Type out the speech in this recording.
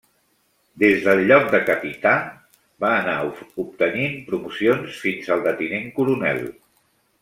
Des del lloc de capità, va anar obtenint promocions fins al de tinent coronel.